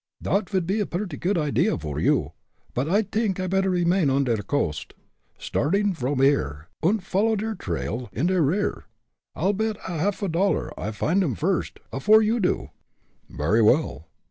"Dot vould pe a purty good idea vor you, but I t'ink better I remain on der coast stardting vrom here, und follow der trail in der rear. I'll bet a half dollar I find 'em first, afore you do." "Very well.